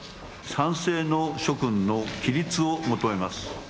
賛成の諸君の起立を求めます。